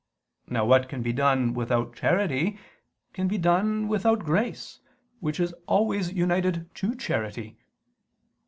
Now what can be done without charity can be done without grace, which is always united to charity.